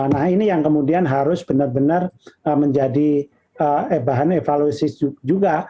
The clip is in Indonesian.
nah ini yang kemudian harus benar benar menjadi bahan evaluasi juga